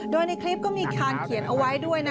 โดยในคลิปก็มีการเขียนเอาไว้ด้วยนะ